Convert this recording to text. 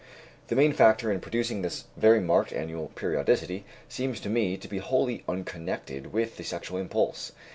The main factor in producing this very marked annual periodicity seems to me to be wholly unconnected with the sexual impulse.